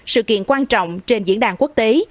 sự kiện quan trọng trên diễn đàn quốc tế